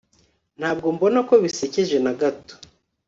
ntabwo mbona ko bisekeje na gato